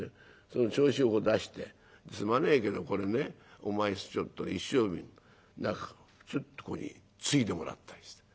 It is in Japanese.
その銚子を出してすまねえけどこれねお前ちょっと一升瓶ちょっとここについでもらったりして。